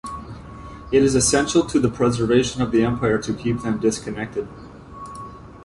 It is essential to the preservation of the empire to keep them disconnected